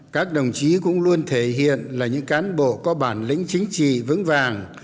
các đồng chí cũng luôn thể hiện là những cán bộ có bản lĩnh chính trị vững vàng